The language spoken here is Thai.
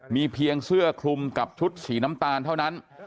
มีเพียงเสื้อคลุมกับชุดสีน้ำตาลเท่านั้น